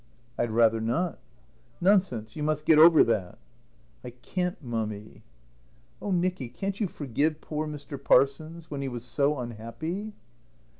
"I'd rather not." "Nonsense, you must get over that." "I can't, Mummy." "Oh, Nicky, can't you forgive poor Mr. Parsons? When he was so unhappy?"